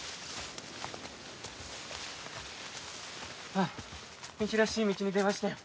あっ道らしい道に出ましたよ。